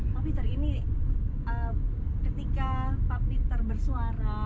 pak peter ini ketika pak peter bersuara